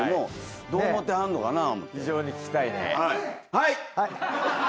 はい！